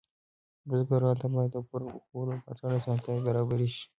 بزګرانو ته باید د پور ورکولو او ملاتړ اسانتیاوې برابرې شي.